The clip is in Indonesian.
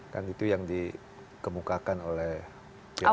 kan itu yang dikemukakan oleh pihak penyelenggara ya